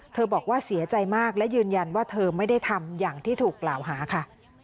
บอกว่าเสียใจมากและยืนยันว่าเธอไม่ได้ทำอย่างที่ถูกกล่าวหาค่ะ